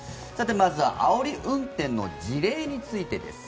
まずはあおり運転の事例についてです。